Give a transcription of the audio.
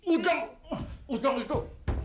ujang ujang itu